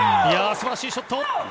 素晴らしいショット。